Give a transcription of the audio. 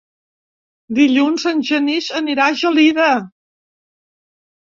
Dilluns en Genís anirà a Gelida.